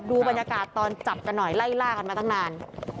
ดูบรรยากาศตอนจับกันหน่อยไล่ล่ากันมาตั้งนาน